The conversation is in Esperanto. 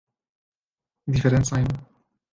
Diferencajn?